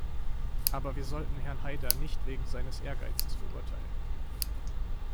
Aber wir sollten Herrn Haider nicht wegen seines Ehrgeizes verurteilen.